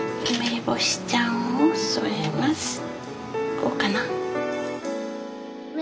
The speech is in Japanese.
こうかな。